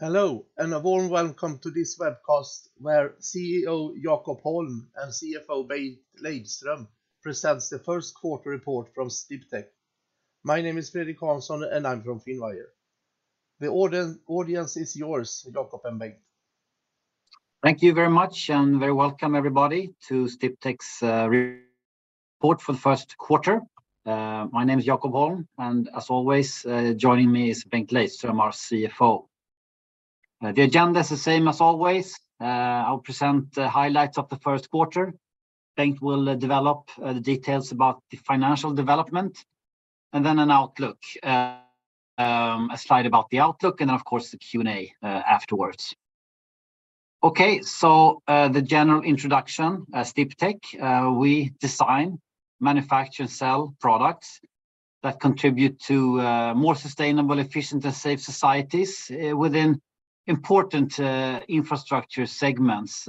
Hello, a warm welcome to this webcast where CEO Jakob Holm and CFO Bengt Lejdström presents the first quarter report from Sdiptech. My name is Fredrik Hansson, and I'm from Finwire. The audience is yours, Jakob and Bengt. Thank you very much. Very welcome everybody to Sdiptech's report for the first quarter. My name is Jakob Holm, as always, joining me is Bengt Lejdström, our CFO. The agenda is the same as always. I'll present the highlights of the first quarter. Bengt will develop the details about the financial development, then an outlook, a slide about the outlook, of course, the Q&A afterwards. Okay, the general introduction. At Sdiptech, we design, manufacture, and sell products that contribute to more sustainable, efficient, and safe societies within important infrastructure segments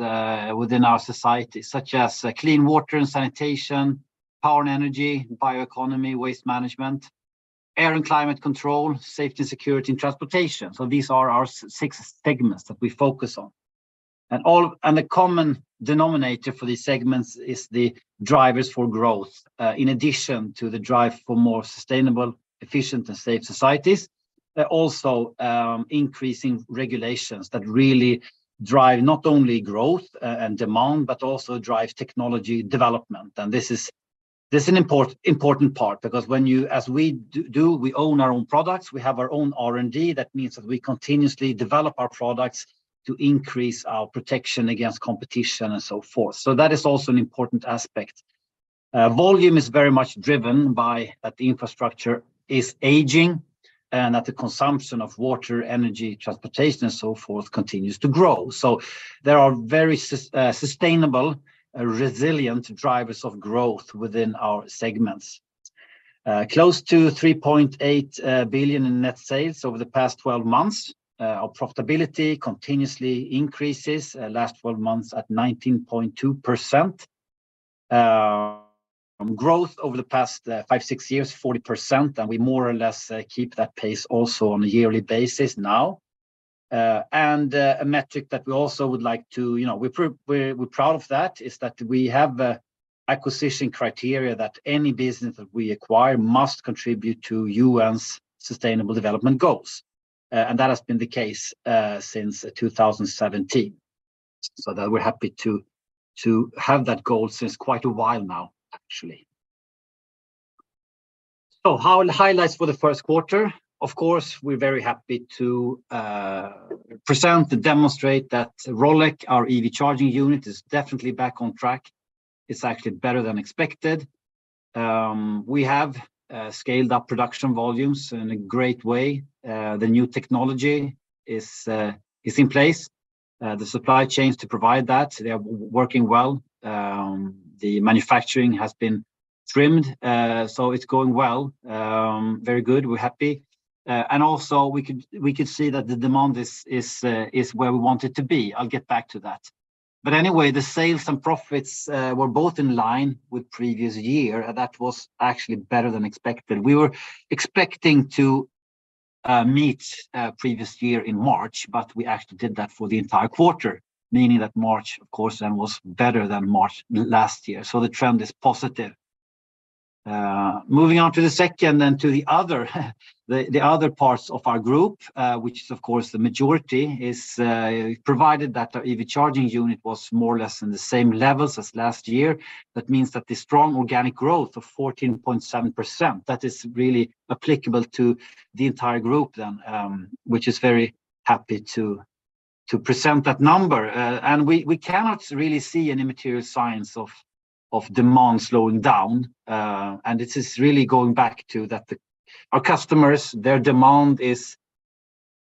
within our society, such as clean water and sanitation, power and energy, bioeconomy, waste management, air and climate control, safety and security in transportation. These are our six segments that we focus on. The common denominator for these segments is the drivers for growth. In addition to the drive for more sustainable, efficient, and safe societies, also, increasing regulations that really drive not only growth and demand, but also drive technology development. This is an important part because when, as we do, we own our own products, we have our own R&D. That means that we continuously develop our products to increase our protection against competition and so forth. That is also an important aspect. Volume is very much driven by that the infrastructure is aging and that the consumption of water, energy, transportation, and so forth continues to grow. There are very sustainable, resilient drivers of growth within our segments. Close to 3.8 billion in net sales over the past 12 months. Our profitability continuously increases, last 12 months at 19.2%. Growth over the past five, six years, 40%, and we more or less keep that pace also on a yearly basis now. A metric that we also would like to, you know, we're proud of that is that we have acquisition criteria that any business that we acquire must contribute to UN's Sustainable Development Goals. That has been the case since 2017. That we're happy to have that goal since quite a while now, actually. Highlights for the first quarter. Of course, we're very happy to present, to demonstrate that Rolec, our EV charging unit, is definitely back on track. It's actually better than expected. We have scaled up production volumes in a great way. The new technology is in place. The supply chains to provide that, they are working well. The manufacturing has been trimmed, so it's going well. Very good. We're happy. Also we could see that the demand is where we want it to be. I'll get back to that. Anyway, the sales and profits were both in line with previous year. That was actually better than expected. We were expecting to meet previous year in March, but we actually did that for the entire quarter, meaning that March, of course, then was better than March last year. The trend is positive. Moving on to the second then to the other parts of our group, which is of course the majority, is provided that our EV charging unit was more or less in the same levels as last year. That means that the strong organic growth of 14.7%, that is really applicable to the entire group then, which is very happy to present that number. We cannot really see any material signs of demand slowing down. It is really going back to that our customers, their demand is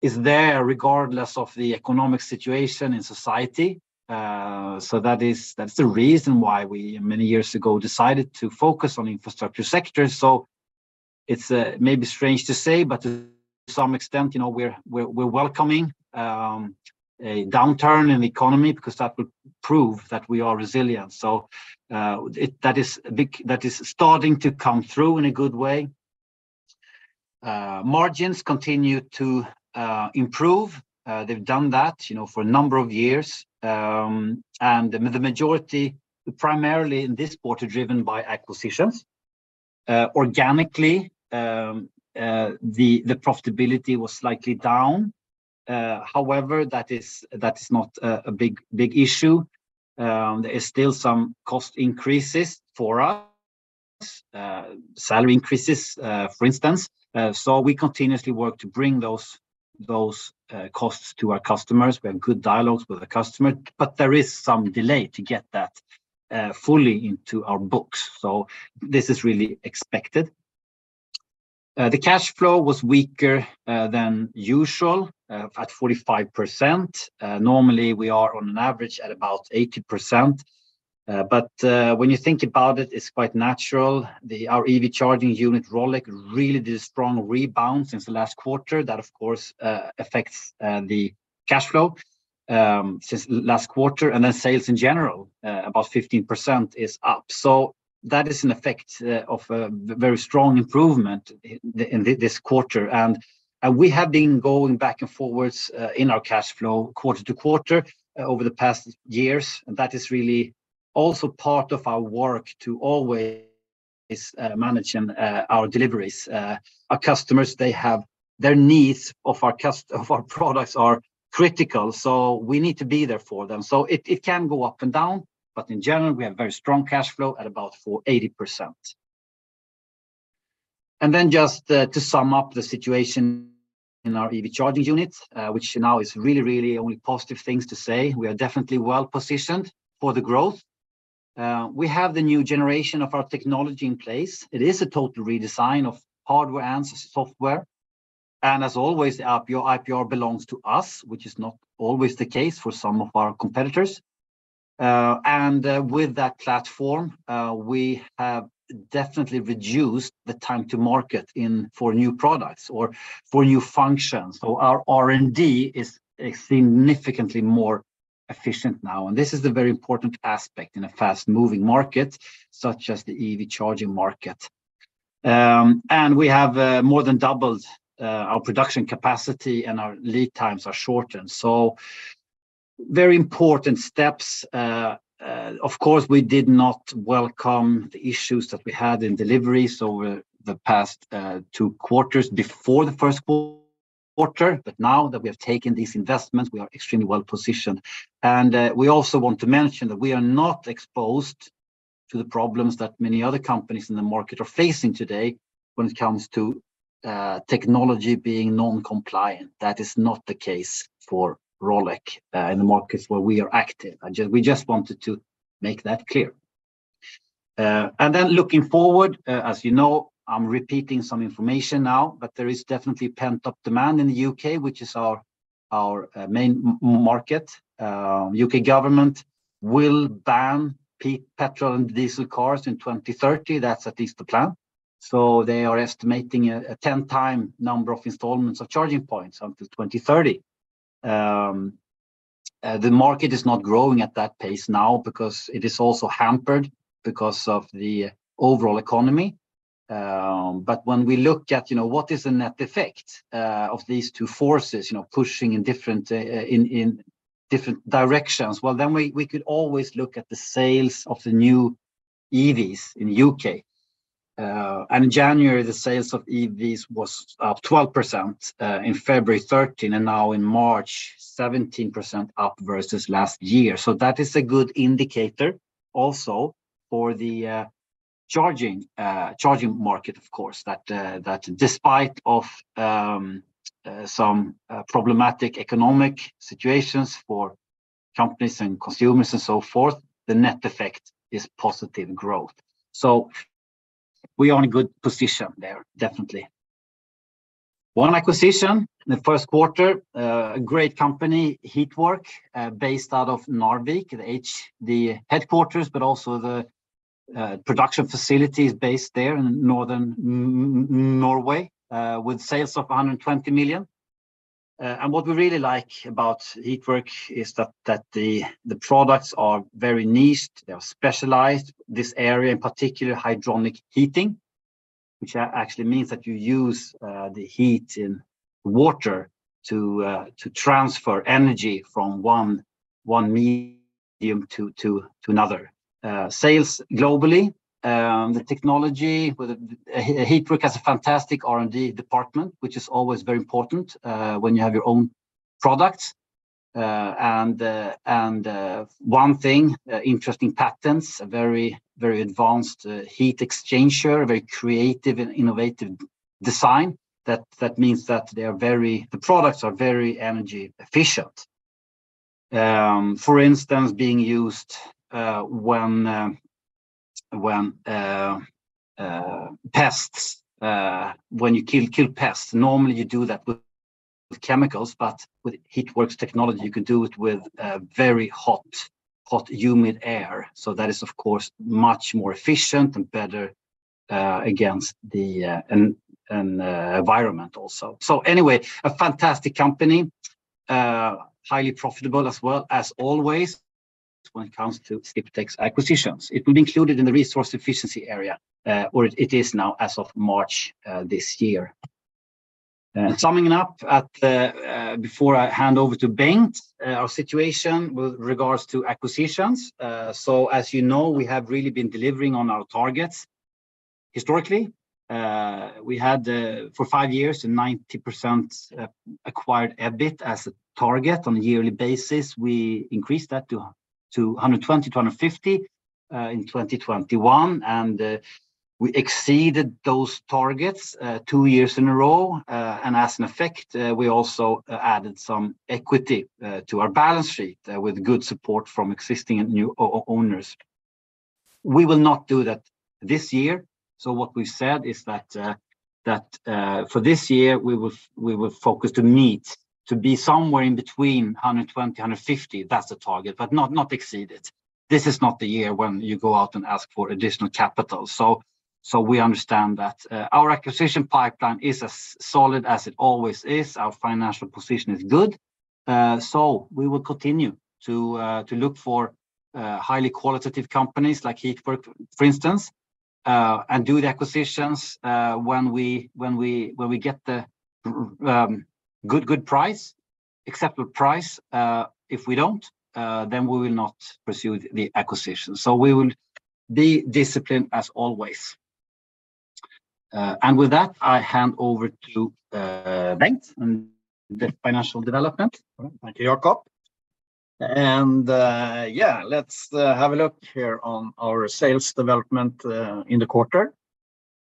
there regardless of the economic situation in society. That's the reason why we many years ago decided to focus on infrastructure sectors. It's maybe strange to say, but to some extent, you know, we're welcoming a downturn in economy because that will prove that we are resilient. That is starting to come through in a good way. Margins continue to improve. They've done that, you know, for a number of years. The majority, primarily in this quarter, driven by acquisitions. Organically, the profitability was slightly down. However, that is not a big issue. There is still some cost increases for us, salary increases, for instance. We continuously work to bring those costs to our customers. We have good dialogues with the customer, but there is some delay to get that fully into our books. This is really expected. The cash flow was weaker than usual, at 45%. Normally, we are on an average at about 80%. But when you think about it's quite natural. Our EV charging unit, Rolec, really did a strong rebound since the last quarter. That, of course, affects the cash flow since last quarter. Sales in general, about 15% is up. That is an effect of a very strong improvement in this quarter. We have been going back and forwards in our cash flow quarter to quarter over the past years, and that is really also part of our work to always manage and our deliveries. Our customers, they have... Their needs of our products are critical, so we need to be there for them. It, it can go up and down, but in general, we have very strong cash flow at about 80%. Just to sum up the situation in our EV charging unit, which now is really, really only positive things to say. We are definitely well-positioned for the growth. We have the new generation of our technology in place. It is a total redesign of hardware and software. As always, our IP, our IPR belongs to us, which is not always the case for some of our competitors. With that platform, we have definitely reduced the time to market in, for new products or for new functions. Our R&D is significantly more efficient now, and this is a very important aspect in a fast-moving market such as the EV charging market. We have more than doubled our production capacity, and our lead times are shortened. Very important steps. Of course, we did not welcome the issues that we had in deliveries over the past 2 quarters before the 1st quarter. Now that we have taken these investments, we are extremely well-positioned. We also want to mention that we are not exposed to the problems that many other companies in the market are facing today when it comes to technology being non-compliant. That is not the case for Rolec in the markets where we are active. We just wanted to make that clear. Then looking forward, as you know, I'm repeating some information now, but there is definitely pent-up demand in the U.K., which is our main market. U.K. government will ban petrol and diesel cars in 2030. That's at least the plan. They are estimating a 10-time number of installments of charging points up till 2030. The market is not growing at that pace now because it is also hampered because of the overall economy. When we look at, you know, what is the net effect, of these two forces, you know, pushing in different directions, well, then we could always look at the sales of the new EVs in the U.K. In January, the sales of EVs was up 12%, in February, 13%, and now in March, 17% up versus last year. That is a good indicator also for the charging market, of course, that despite of some problematic economic situations for companies and consumers and so forth, the net effect is positive growth. We are in a good position there, definitely. One acquisition in the first quarter, a great company, HeatWork, based out of Narvik. The headquarters, but also the production facility is based there in northern Norway, with sales of 120 million. What we really like about HeatWork is that the products are very niched. They are specialized. This area in particular, hydronic heating, which actually means that you use the heat in water to transfer energy from one medium to another. Sales globally. The technology with HeatWork has a fantastic R&D department, which is always very important when you have your own products. And one thing, interesting patents, a very advanced heat exchanger, a very creative and innovative design that means that they are very the products are very energy efficient. For instance, being used when pests, when you kill pests, normally you do that with chemicals, but with HeatWork's technology, you can do it with very hot humid air. That is, of course, much more efficient and better against the environment also. Anyway, a fantastic company, highly profitable as well as always when it comes to Sdiptech's acquisitions. It will be included in the Resource Efficiency area, or it is now as of March this year. Summing it up at the, before I hand over to Bengt, our situation with regards to acquisitions. As you know, we have really been delivering on our targets historically. We had for 5 years, a 90% acquired EBIT as a target on a yearly basis. We increased that to 120, 150 in 2021, and we exceeded those targets 2 years in a row. As an effect, we also added some equity to our balance sheet with good support from existing and new owners. We will not do that this year. What we've said is that for this year, we will focus to meet, to be somewhere in between 120, 150. That's the target, but not exceed it. This is not the year when you go out and ask for additional capital. We understand that our acquisition pipeline is as solid as it always is. Our financial position is good. We will continue to look for highly qualitative companies like HeatWork, for instance, and do the acquisitions when we get the good, acceptable price. If we don't, then we will not pursue the acquisition. We will be disciplined as always. With that, I hand over to Bengt and the financial development. All right. Thank you, Jakob. Yeah, let's have a look here on our sales development in the quarter.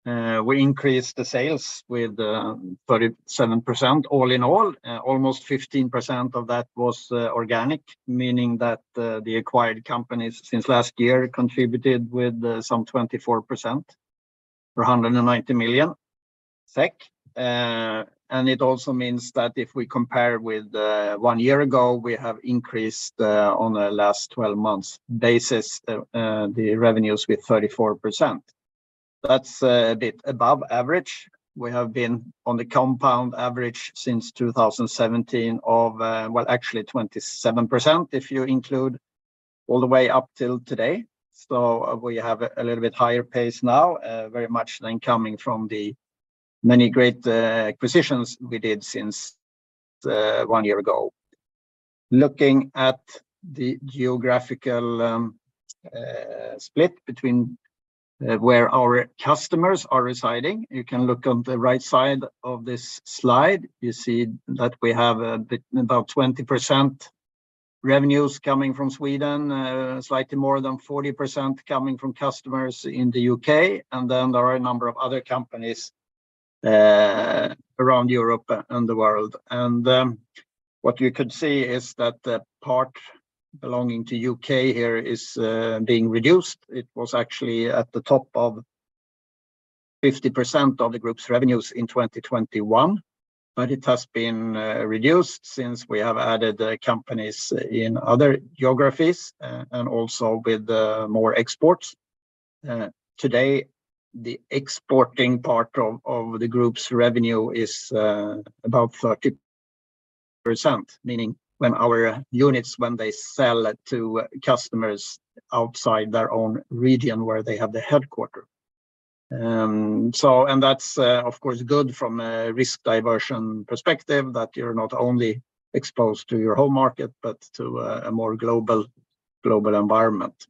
We increased the sales with 37% all in all. Almost 15% of that was organic, meaning that the acquired companies since last year contributed with some 24% for 490 million SEK. It also means that if we compare with 1 year ago, we have increased on a last 12 months basis the revenues with 34%. That's a bit above average. We have been on the compound average since 2017 of, well, actually 27% if you include all the way up till today. We have a little bit higher pace now, very much than coming from the many great acquisitions we did since 1 year ago. Looking at the geographical split between where our customers are residing, you can look on the right side of this slide. You see that we have a bit about 20% revenues coming from Sweden, slightly more than 40% coming from customers in the U.K. Then there are a number of other companies around Europe and the world. What you could see is that the part belonging to U.K. here is being reduced. It was actually at the top of 50% of the group's revenues in 2021, but it has been reduced since we have added companies in other geographies and also with more exports. Today, the exporting part of the group's revenue is about 30%, meaning when our units, when they sell it to customers outside their own region where they have the headquarter. That's, of course, good from a risk diversion perspective, that you're not only exposed to your home market, but to a more global environment.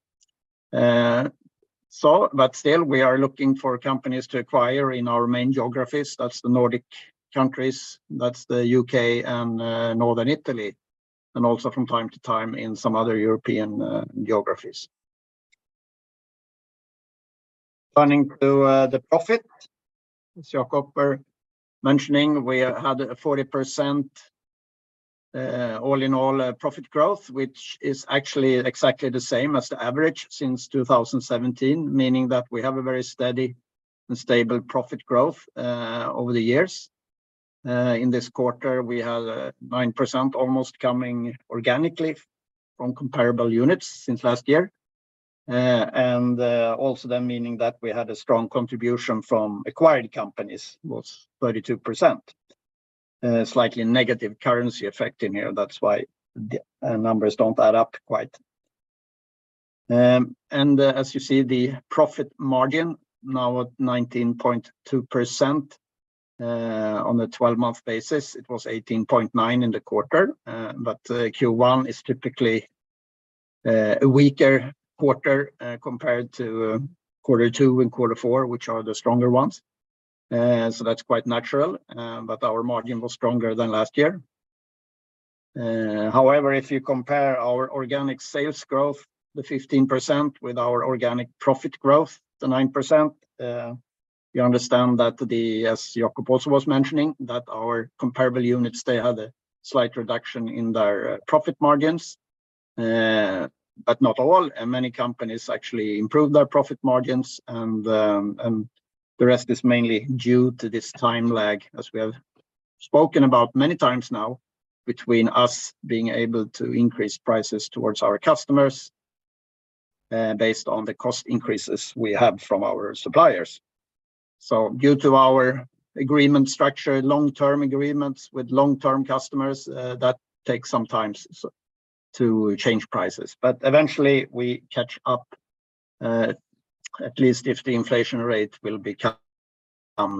Still, we are looking for companies to acquire in our main geographies. That's the Nordic countries, that's the U.K. and northern Italy, and also from time to time in some other European geographies. Turning to the profit, as Jakob were mentioning, we had a 40% all in all profit growth, which is actually exactly the same as the average since 2017, meaning that we have a very steady and stable profit growth over the years. In this quarter, we had 9% almost coming organically from comparable units since last year. Also then meaning that we had a strong contribution from acquired companies, was 32%. Slightly negative currency effect in here, that's why the numbers don't add up quite. As you see, the profit margin now at 19.2% on a 12-month basis. It was 18.9% in the quarter. Q1 is typically a weaker quarter compared to quarter two and quarter four, which are the stronger ones. That's quite natural. Our margin was stronger than last year. However, if you compare our organic sales growth, the 15%, with our organic profit growth, the 9%, you understand that as Jakob also was mentioning, that our comparable units, they had a slight reduction in their profit margins. Not all. Many companies actually improved their profit margins. The rest is mainly due to this time lag, as we have spoken about many times now, between us being able to increase prices towards our customers, based on the cost increases we have from our suppliers. Due to our agreement structure, long-term agreements with long-term customers, that takes some time to change prices. Eventually, we catch up, at least if the inflation rate will become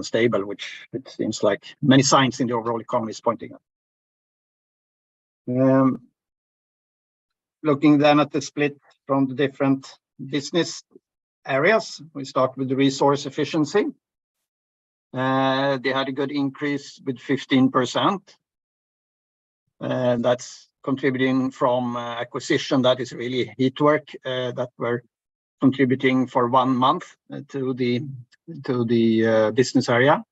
stable, which it seems like many signs in the overall economy is pointing at. Looking then at the split from the different business areas, we start with the Resource Efficiency. They had a good increase with 15%. That's contributing from acquisition. That is really HeatWork, that were contributing for one month to the business area.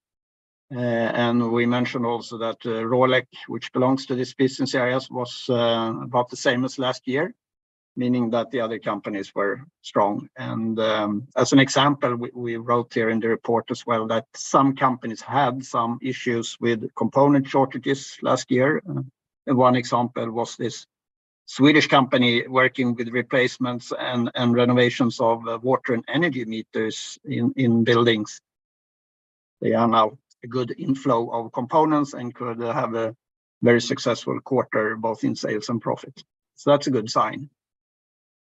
We mentioned also that Rolec, which belongs to this business areas, was about the same as last year, meaning that the other companies were strong. As an example, we wrote here in the report as well that some companies had some issues with component shortages last year. One example was this Swedish company working with replacements and renovations of water and energy meters in buildings. They are now a good inflow of components and could have a very successful quarter, both in sales and profit. So that's a good sign.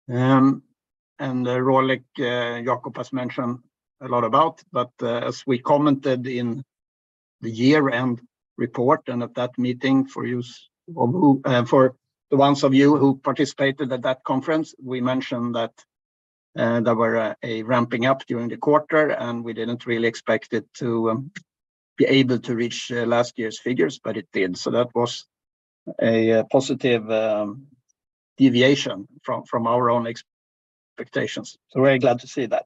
The Rolec, Jakob has mentioned a lot about, but as we commented in the year-end report, and at that meeting for you or who for the ones of you who participated at that conference, we mentioned that there were a ramping up during the quarter, and we didn't really expect it to be able to reach last year's figures, but it did. That was a positive deviation from our own expectations, very glad to see that.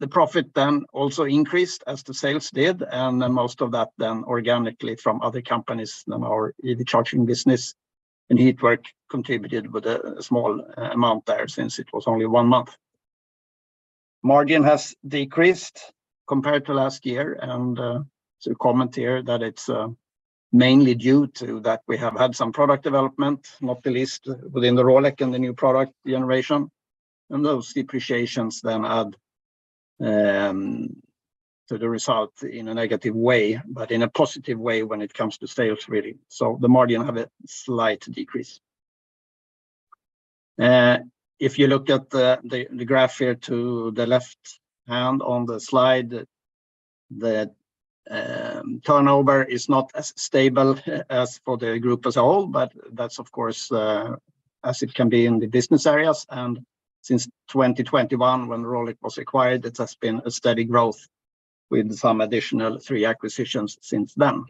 The profit also increased as the sales did, most of that organically from other companies than our EV charging business, HeatWork contributed with a small amount there since it was only one month. Margin has decreased compared to last year, comment here that it's mainly due to that we have had some product development, not the least within the Rolec and the new product generation. Those depreciations then add to the result in a negative way, but in a positive way when it comes to sales, really. The margin have a slight decrease. If you look at the, the graph here to the left, on the slide, the turnover is not as stable as for the group as a whole, but that's of course, as it can be in the business areas. Since 2021, when Rolec was acquired, it has been a steady growth with some additional 3 acquisitions since then.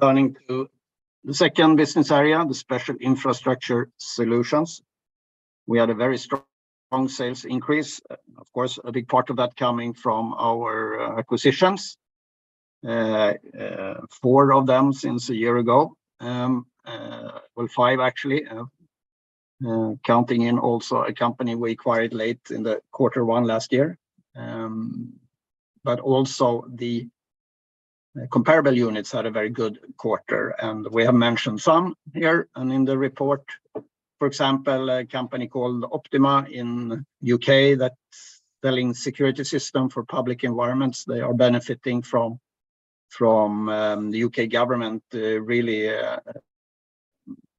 Turning to the second business area, the Special Infrastructure Solutions, we had a very strong sales increase. Of course, a big part of that coming from our acquisitions, 4 of them since a year ago, well, 5 actually, counting in also a company we acquired late in the quarter one last year. Also the comparable units had a very good quarter, and we have mentioned some here and in the report. For example, a company called Optyma in U.K. that's selling security system for public environments, they are benefiting from the U.K. government really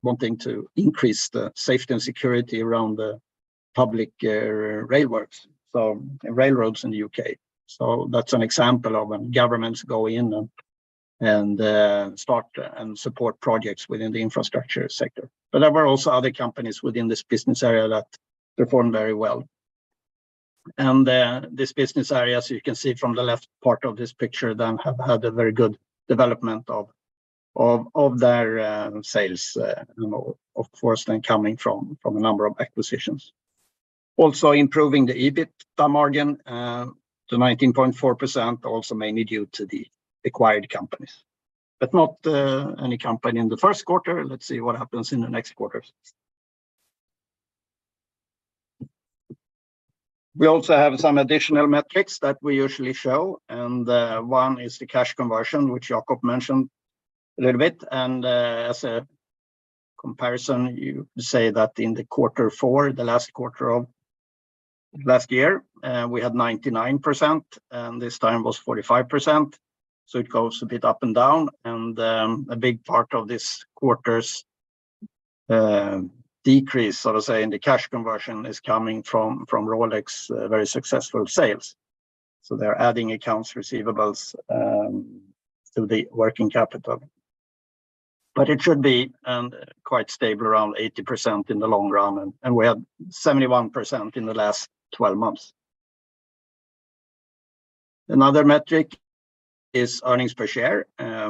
wanting to increase the safety and security around the public rail works, so, and railroads in the U.K. That's an example of when governments go in and start and support projects within the infrastructure sector. There were also other companies within this business area that performed very well. This business area, so you can see from the left part of this picture, then have had a very good development of their sales and of course, then coming from a number of acquisitions. Also improving the EBITDA margin to 19.4% also mainly due to the acquired companies, but not any company in the first quarter. Let's see what happens in the next quarters. We also have some additional metrics that we usually show. One is the cash conversion, which Jakob mentioned a little bit. As a comparison, you say that in the quarter four, the last quarter of last year, we had 99%, and this time was 45%, so it goes a bit up and down. A big part of this quarter's decrease, so to say, in the cash conversion is coming from Rolec's very successful sales, so they're adding accounts receivables to the working capital. It should be quite stable around 80% in the long run, and we had 71% in the last 12 months. Another metric is earnings per share.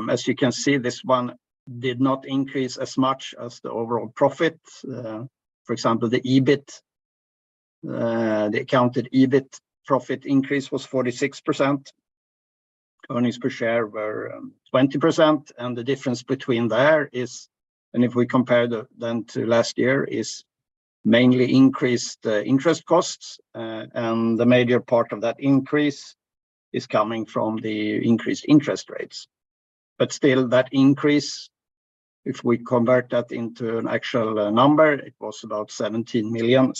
As you can see, this one did not increase as much as the overall profit. For example, the EBIT, the accounted EBIT profit increase was 46%. Earnings per share were 20%, and the difference between there is, and if we compare the, them to last year, is mainly increased interest costs. The major part of that increase is coming from the increased interest rates. Still, that increase, if we convert that into an actual number, it was about 17 million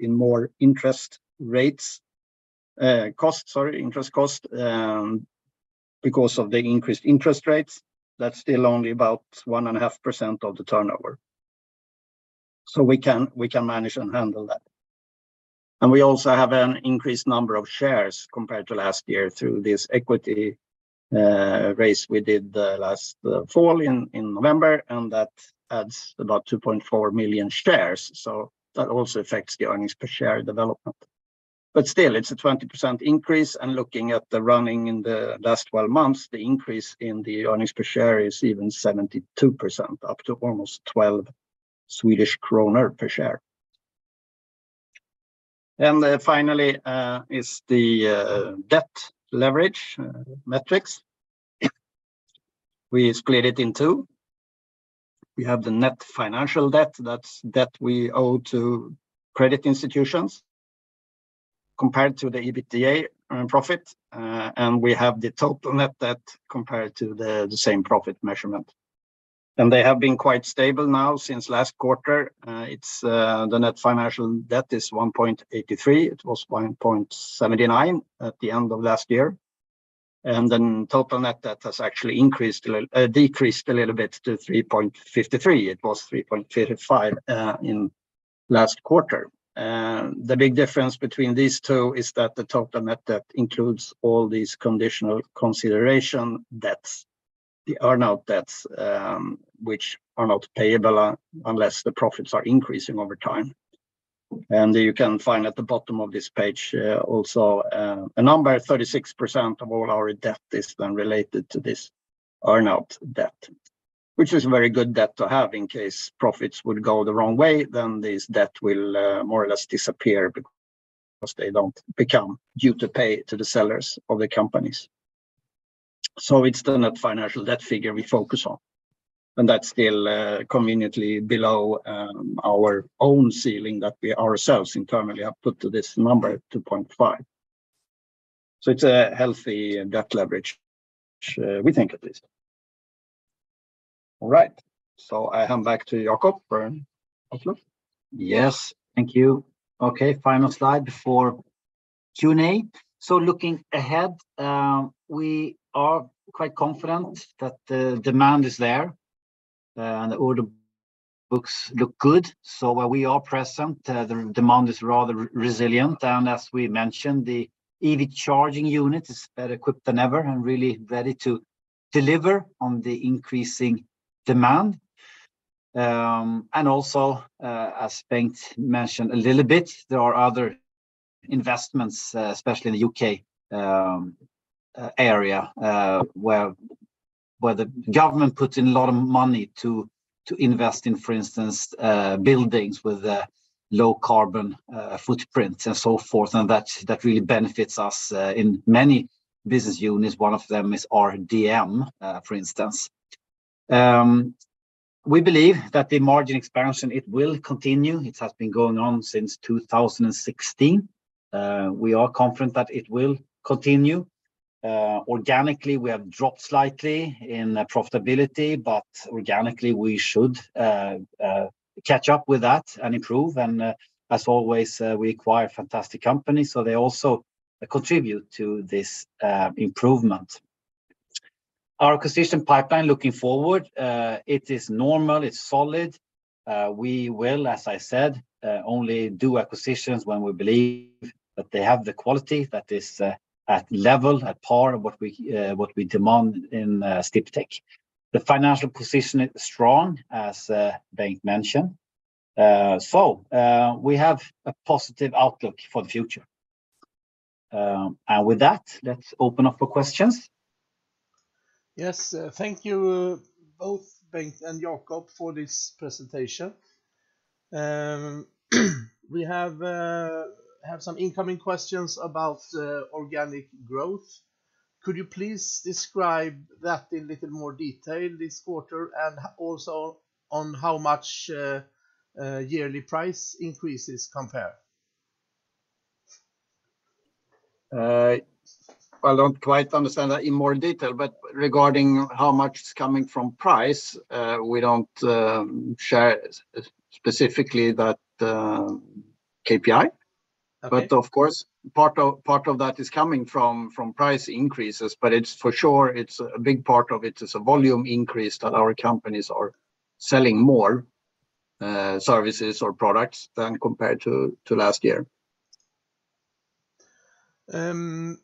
in more interest rates cost, sorry, interest cost, because of the increased interest rates. That's still only about 1.5% of the turnover. We can manage and handle that. We also have an increased number of shares compared to last year through this equity raise we did the last fall in November, and that adds about 2.4 million shares, so that also affects the earnings per share development. Still, it's a 20% increase, and looking at the running in the last 12 months, the increase in the earnings per share is even 72%, up to almost 12 Swedish kronor per share. Finally, is the debt leverage metrics. We split it in two. We have the net financial debt, that's debt we owe to credit institutions. Compared to the EBITDA profit, and we have the total net debt compared to the same profit measurement. They have been quite stable now since last quarter. It's the net financial debt is 1.83. It was 1.79 at the end of last year. Total net debt has actually decreased a little bit to 3.53. It was 3.55 in last quarter. The big difference between these two is that the total net debt includes all these conditional consideration debts, the earn-out debts, which are not payable unless the profits are increasing over time. You can find at the bottom of this page, also a number, 36% of all our debt is then related to this earn-out debt, which is very good debt to have in case profits would go the wrong way, then this debt will more or less disappear because they don't become due to pay to the sellers of the companies. It's the net financial debt figure we focus on, and that's still conveniently below our own ceiling that we ourselves internally have put to this number, 2.5. It's a healthy debt leverage, we think at least. All right, I hand back to Jakob for outlook. Yes, thank you. Okay, final slide before Q&A. Looking ahead, we are quite confident that the demand is there, and the order books look good. Where we are present, the demand is rather resilient. As we mentioned, the EV charging unit is better equipped than ever and really ready to deliver on the increasing demand. Also, as Bengt mentioned a little bit, there are other investments, especially in the U.K. area, where the government puts in a lot of money to invest in, for instance, buildings with a low carbon footprint and so forth, and that really benefits us in many business units. One of them is RDM, for instance. We believe that the margin expansion, it will continue. It has been going on since 2016. We are confident that it will continue. Organically, we have dropped slightly in profitability, but organically we should catch up with that and improve. As always, we acquire fantastic companies, so they also contribute to this improvement. Our acquisition pipeline looking forward, it is normal, it's solid. We will, as I said, only do acquisitions when we believe that they have the quality that is at level, at par of what we demand in Sdiptech. The financial position is strong, as Bengt mentioned. We have a positive outlook for the future. With that, let's open up for questions. Yes, thank you, both Bengt and Jakob for this presentation. We have some incoming questions about organic growth. Could you please describe that in a little more detail this quarter, and also on how much yearly price increases compare? I don't quite understand that in more detail, but regarding how much is coming from price, we don't share specifically that KPI. Okay. Of course, part of that is coming from price increases, but for sure it's a big part of it is a volume increase that our companies are selling more services or products than compared to last year. Given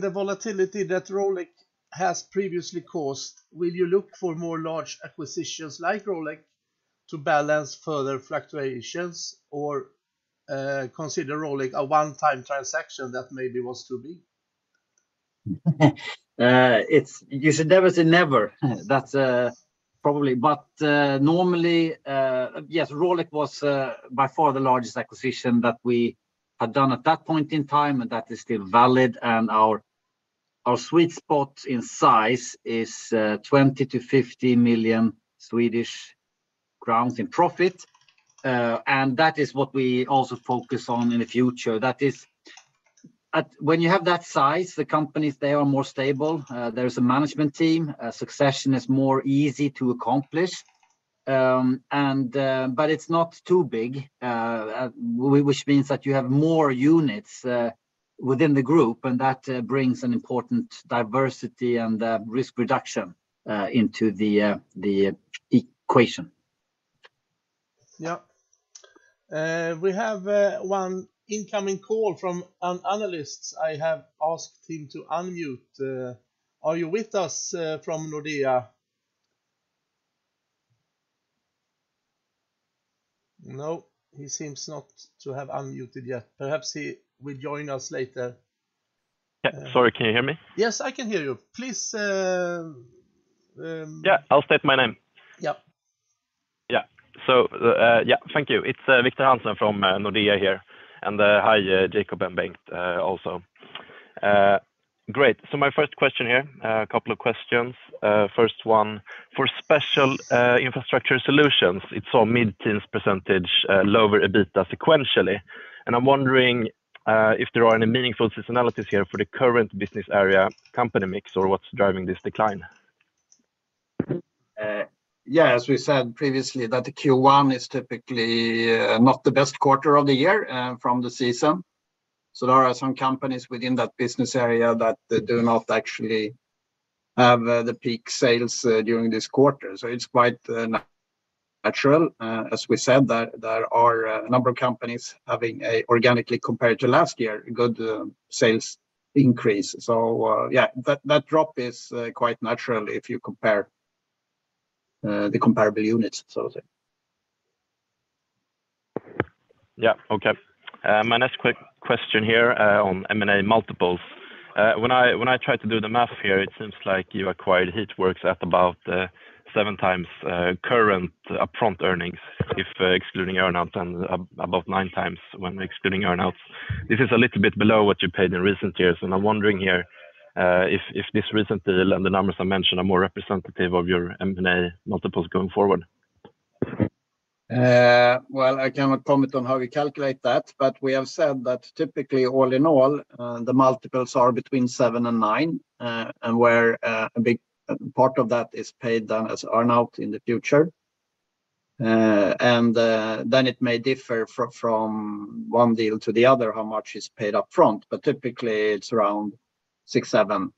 the volatility that Rolec has previously caused, will you look for more large acquisitions like Rolec to balance further fluctuations or consider Rolec a one-time transaction that maybe was too big? You should never say never. That's probably, but normally, yes, Rolec was by far the largest acquisition that we had done at that point in time, and that is still valid. Our sweet spot in size is 20-50 million Swedish crowns in profit. That is what we also focus on in the future. That is when you have that size, the companies, they are more stable. There's a management team, succession is more easy to accomplish. But it's not too big, which means that you have more units within the group, and that brings an important diversity and risk reduction into the equation. We have, 1 incoming call from an analyst. I have asked him to unmute. Are you with us from Nordea? No, he seems not to have unmuted yet. Perhaps he will join us later. Yeah, sorry, can you hear me? Yes, I can hear you. Please, Yeah, I'll state my name. Yeah. Yeah. Yeah, thank you. It's Viktor Trollsten from Nordea here, and hi, Jakob and Bengt also. Great. My first question here, a couple of questions. First one, for Special Infrastructure Solutions, it's all mid-teens % lower EBITDA sequentially. I'm wondering if there are any meaningful seasonalities here for the current business area company mix, or what's driving this decline? Yeah, as we said previously, that the Q1 is typically not the best quarter of the year, from the season. There are some companies within that business area that they do not actually have the peak sales during this quarter. It's quite natural. As we said, there are a number of companies having a organically compared to last year, good sales increase. Yeah, that drop is quite natural if you compare the comparable units, so to say. Yeah. Okay. My next question here, on M&A multiples. When I try to do the math here, it seems like you acquired HeatWork at about 7x current upfront earnings if excluding earn-out and about 9x when excluding earn-out. This is a little bit below what you paid in recent years. I'm wondering here, if this recent deal and the numbers I mentioned are more representative of your M&A multiples going forward. I cannot comment on how we calculate that, but we have said that typically, all in all, the multiples are between 7 and 9, and where a big part of that is paid down as earn-out in the future. Then it may differ from one deal to the other, how much is paid up front, but typically it's around 6, 7,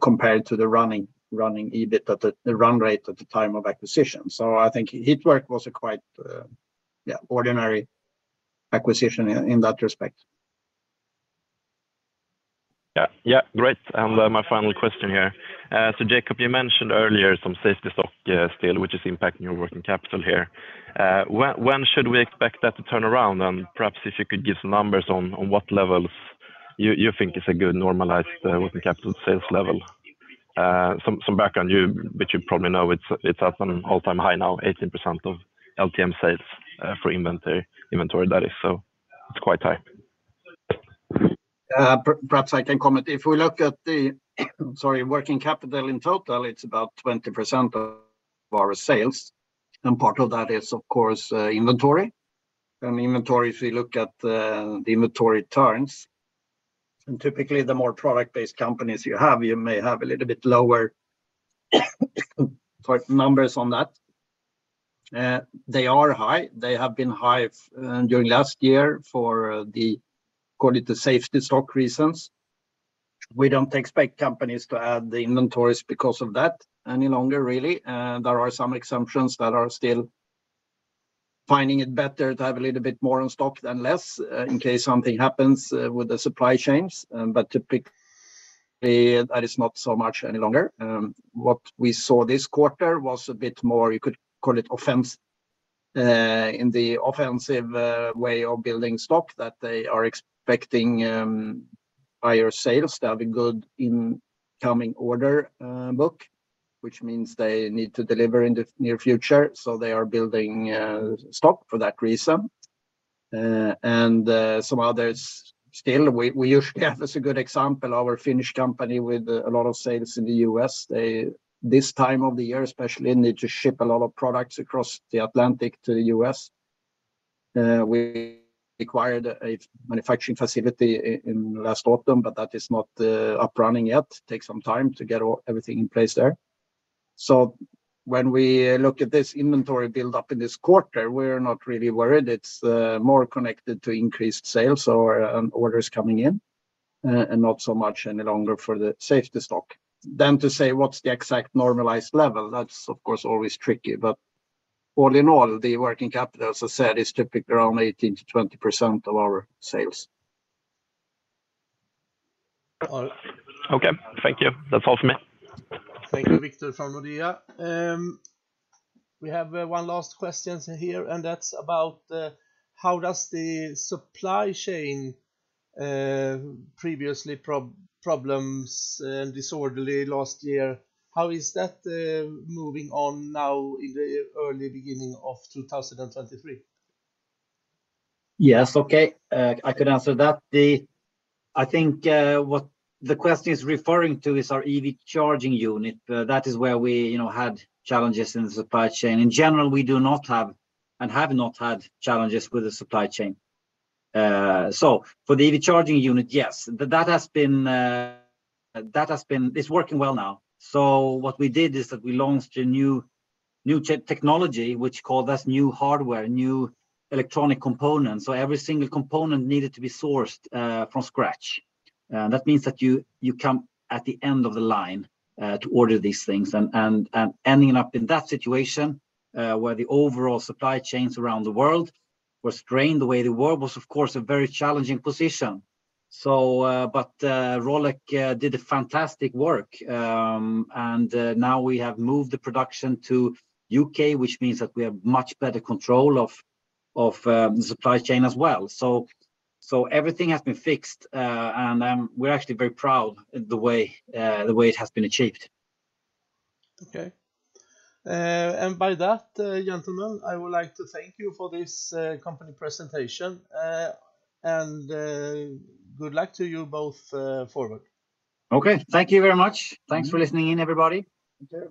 compared to the running EBIT at the run rate at the time of acquisition. I think HeatWork was a quite ordinary acquisition in that respect. Yeah. Yeah. Great. My final question here. Jakob, you mentioned earlier some safety stock still which is impacting your working capital here. When should we expect that to turn around? Perhaps if you could give some numbers on what levels you think is a good normalized working capital sales level? Some background you, which you probably know, it's at an all-time high now 18% of LTM sales for inventory that is, it's quite high. Perhaps I can comment. If we look at the, sorry, working capital in total, it's about 20% of our sales. Part of that is of course, inventory. Inventory, if we look at the inventory turns, and typically the more product-based companies you have, you may have a little bit lower numbers on that. They are high. They have been high during last year for the call it the safety stock reasons. We don't expect companies to add the inventories because of that any longer, really. There are some exemptions that are still finding it better to have a little bit more in stock than less, in case something happens with the supply chains. Typically that is not so much any longer. What we saw this quarter was a bit more, you could call it offense, in the offensive way of building stock that they are expecting higher sales to have a good incoming order book. They need to deliver in the near future. They are building stock for that reason. Some others still, we usually have as a good example, our Finnish company with a lot of sales in the U.S. They, this time of the year especially, need to ship a lot of products across the Atlantic to the U.S. We acquired a manufacturing facility in last autumn, but that is not up running yet. Take some time to get everything in place there. When we look at this inventory build up in this quarter, we're not really worried. It's more connected to increased sales or orders coming in, and not so much any longer for the safety stock. To say, what's the exact normalized level? That's of course always tricky. All in all, the working capital, as I said, is typically around 18%-20% of our sales. Okay, thank you. That's all for me. Thank you, Viktor from Nordea. We have one last question here, and that's about how does the supply chain previously problems disorderly last year, how is that moving on now in the early beginning of 2023? Yes. Okay. I can answer that. I think what the question is referring to is our EV charging unit. That is where we, you know, had challenges in the supply chain. In general, we do not have, and have not had challenges with the supply chain. For the EV charging unit, yes. That has been... It's working well now. What we did is that we launched a new tech-technology, which called that new hardware, new electronic components. Every single component needed to be sourced from scratch. That means that you come at the end of the line to order these things and ending up in that situation where the overall supply chains around the world were strained the way they were, was of course a very challenging position. Rolec did a fantastic work. Now we have moved the production to U.K., which means that we have much better control of the supply chain as well. Everything has been fixed. We're actually very proud the way it has been achieved. Okay. By that, gentlemen, I would like to thank you for this company presentation. Good luck to you both, forward. Okay. Thank you very much. Thanks for listening in, everybody. Okay.